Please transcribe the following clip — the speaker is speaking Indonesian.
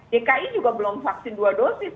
dki juga belum vaksin dua dosis